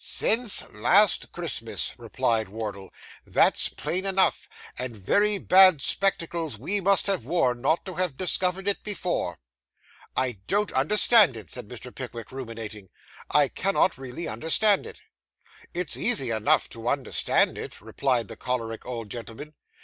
'Since last Christmas,' replied Wardle; 'that's plain enough, and very bad spectacles we must have worn, not to have discovered it before.' 'I don't understand it,' said Mr. Pickwick, ruminating; 'I cannot really understand it.' 'It's easy enough to understand it,' replied the choleric old gentleman.